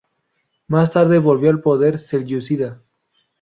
Más tarde volvió a poder selyúcida.